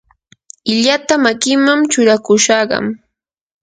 illata makiman churakushaqam.